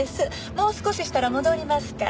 もう少ししたら戻りますから。